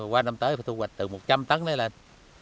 qua năm tới phải thu hoạch từ một trăm linh tấn này lên